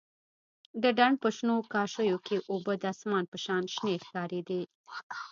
د ډنډ په شنو کاشيو کښې اوبه د اسمان په شان شنې ښکارېدې.